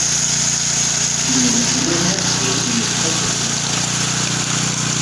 une urne et une prophétie.